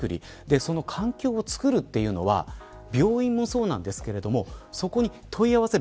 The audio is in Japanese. その環境をつくるというのは病院も、そうなんですけれどもそこに問い合わせる